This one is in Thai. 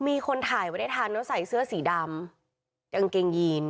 มีคนถ่ายไว้ได้ทันแล้วใส่เสื้อสีดำกางเกงยีน